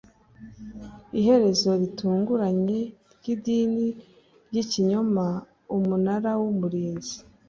iherezo ritunguranye ry’idini ry’ikinyoma umunara w’umurinzi